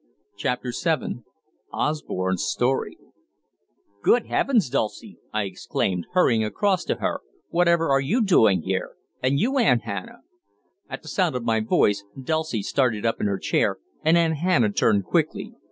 CHAPTER VII OSBORNE'S STORY "Good heavens, Dulcie!" I exclaimed, hurrying across to her, "whatever are you doing here? And you, Aunt Hannah?" At the sound of my voice Dulcie started up in her chair, and Aunt Hannah turned quickly.